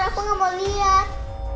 aku gak mau liat